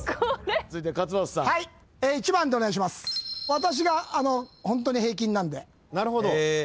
私がホントに平均なんで。